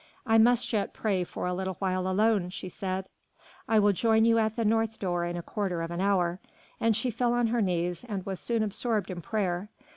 "I must yet pray for a little while alone," she said. "I will join you at the north door in a quarter of an hour." And she fell on her knees, and was soon absorbed in prayer.